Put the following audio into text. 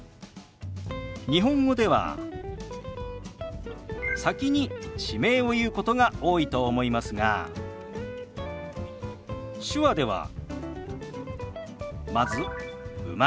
日本語では先に地名を言うことが多いと思いますが手話ではまず「生まれ」。